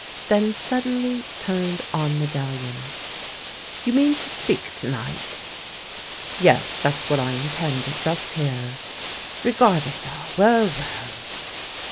Then suddenly turned on Medallion. "You mean to speak to night?" " Yes, that's what I intend, just here." " Regardca ca — well, well